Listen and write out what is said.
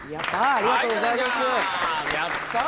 ありがとうございます。